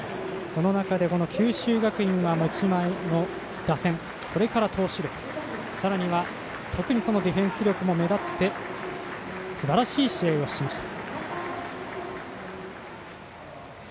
その中で九州学院は持ち前の打線それから、投手力さらには、特にディフェンス力も目立ってすばらしい試合をしました。